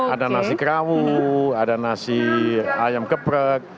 ada nasi kerawu ada nasi ayam geprek